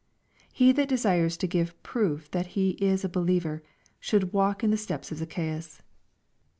He that desires to give proof that he is a believer, ehould walk in the steps of Zacchaeus.